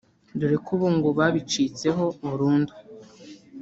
dore ko bo ngo babicitseho burundu